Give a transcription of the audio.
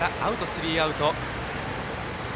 スリーアウト。